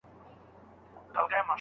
هر ځای شړکنده باران راپسي ګرځي